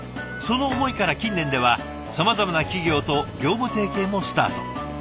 その思いから近年ではさまざまな企業と業務提携もスタート。